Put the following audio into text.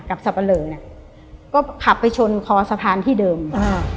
สับปะเลอเนี้ยก็ขับไปชนคอสะพานที่เดิมอ่า